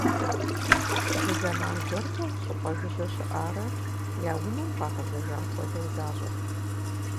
Зы зэман гуэркӏэ щӏыпӏэ жыжьэ щыӏарэ, я унэм къагъэзэжам хуэдэу защӏырт.